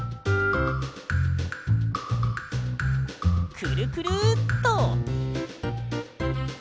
くるくるっと！